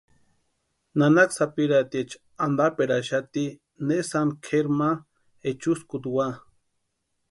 Nanaka sapirhatiecha antaperaxati ne sáni kʼeri ma echuskuta úa .